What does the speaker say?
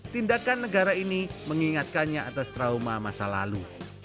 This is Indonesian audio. tindakan negara ini mengingatkannya atas trauma masa lalu